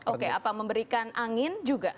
oke apa memberikan angin juga